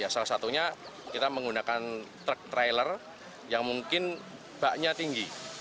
salah satunya kita menggunakan truk trailer yang mungkin baknya tinggi